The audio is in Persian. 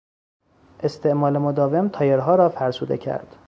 استعمال مداوم تایرها را فرسوده کرد.